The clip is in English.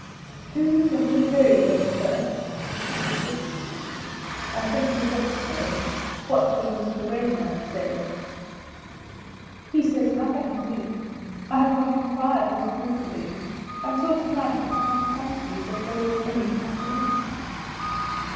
"Do you think him very ill, sir?" she whispered. "I think he looks so. What does Mr. Wainwright say?" "He says nothing to me. I have not inquired his true condition. Until to night it did not come to me that there was any apprehension."